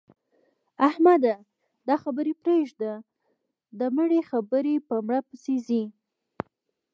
احمده! دا خبرې پرېږده؛ د مړه خبرې په مړه پسې ځي.